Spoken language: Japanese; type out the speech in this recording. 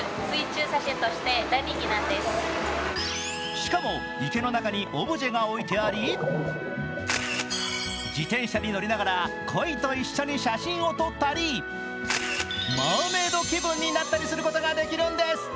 しかも、池の中にオブジェが置いてあり自転車に乗りながらこいと一緒に写真を撮ったりマーメード気分になったりすることができるんです。